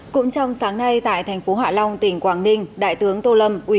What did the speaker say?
cũng trong sáng nay tại thành phố hạ long tỉnh quảng ninh đại tướng tô lâm